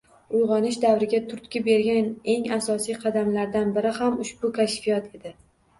Uygʻonish davriga turtki bergan eng asosiy qadamlardan biri ham ushbu kashfiyot edi.